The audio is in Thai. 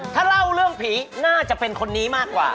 ถ้าเล่าเรื่องผีน่าจะเป็นคนนี้มากกว่า